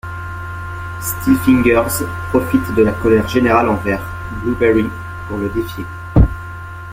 Steelfingers profite de la colère générale envers Blueberry pour le défier.